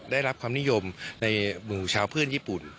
ได้รับความนิยมในหมู่ชาวเพื่อนญี่ปุ่น